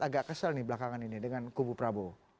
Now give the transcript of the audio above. agak kesel nih belakangan ini dengan kubu prabowo